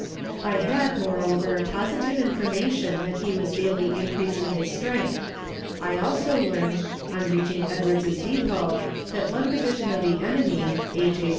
I had, moreover, positive information that he was daily increasing his strength. I also learned, on reaching Edwards's Depot, that one division of the enemy (A. J.